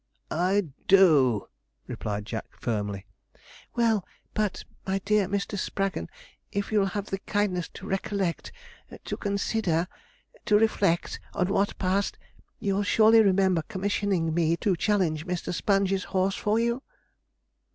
'I do,' replied Jack firmly. 'Well, but, my dear Mr. Spraggon, if you'll have the kindness to recollect to consider to reflect on what passed, you'll surely remember commissioning me to challenge Mr. Sponge's horse for you?'